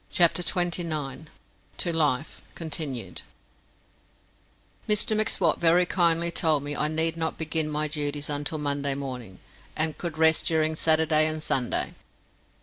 CHAPTER TWENTY NINE To Life continued Mr M'Swat very kindly told me I need not begin my duties until Monday morning, and could rest during Saturday and Sunday.